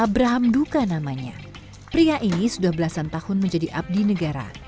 abraham duka namanya pria ini sudah belasan tahun menjadi abdi negara